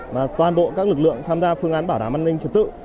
và toàn bộ các lực lượng tham gia phương án bảo đảm an ninh trật tự